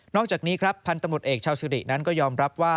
นอกจากนี้พันธมุตเอกเช่าสิรินั้นก็ยอมรับว่า